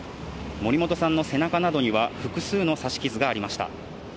森本さんの背中などには複数の刺し傷がありました。